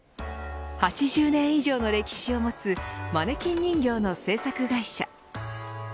８０年以上の歴史を持つマネキン人形の制作会社。